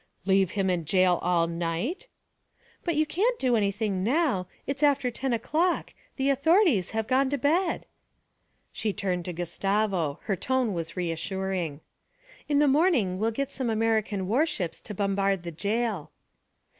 'Leave him in jail all night?' 'But you can't do anything now; it's after ten o'clock; the authorities have gone to bed.' She turned to Gustavo; her tone was reassuring. 'In the morning we'll get some American warships to bombard the jail.'